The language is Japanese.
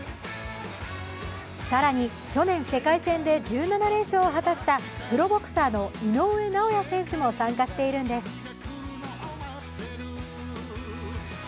更に、去年、世界戦で１７連勝を果たしたプロボクサーの井上尚弥選手も参加しているんです。